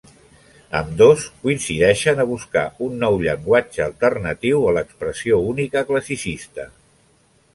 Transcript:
Ambdós coincideixen a buscar un nou llenguatge alternatiu a l'expressió única classicista.